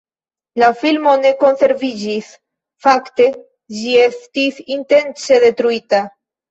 La filmo ne konserviĝis, fakte ĝi estis intence detruita.